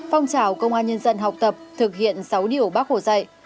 phong trào công an nhân dân học tập thực hiện sáu điều bác hồ dạy